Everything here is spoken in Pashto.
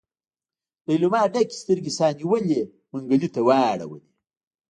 ليلما ډکې سترګې سا نيولي منګلي ته واړولې.